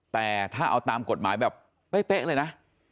แต่ถ้าเอาตามกฎหมายแบบเป๊ะเลยนะ